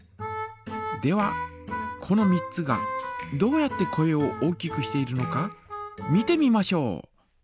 ではこの３つがどうやって声を大きくしているのか見てみましょう！